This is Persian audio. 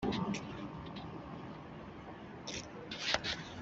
آنها برای سه هفته می مانند.